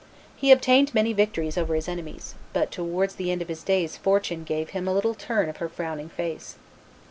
He obtained many victories over his enemies; but towards the end of his days Fortune gave him a little turn of her frowning face.